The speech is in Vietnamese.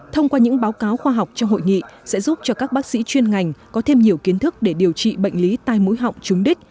thông qua những báo cáo khoa học trong hội nghị sẽ giúp cho các bác sĩ chuyên ngành có thêm nhiều kiến thức để điều trị bệnh lý tai mũi họng trúng đích